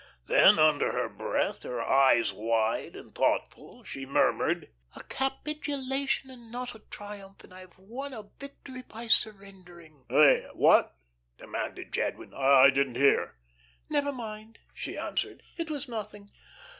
Then under her breath, her eyes wide and thoughtful, she murmured: "A capitulation and not a triumph, and I have won a victory by surrendering." "Hey what?" demanded Jadwin. "I didn't hear." "Never mind," she answered. "It was nothing.